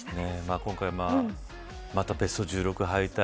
今回またベスト１６敗退。